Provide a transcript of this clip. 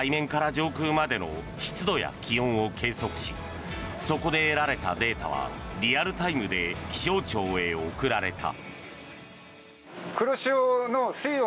上空までの湿度や気温を計測しそこで得られたデータはリアルタイムで気象庁へ送られた。